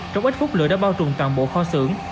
trong ít phút lửa đã bao trùm toàn bộ kho xưởng